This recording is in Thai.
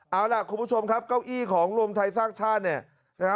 เอาล่ะคุณผู้ชมครับเก้าอี้ของรวมไทยสร้างชาติเนี่ยนะฮะ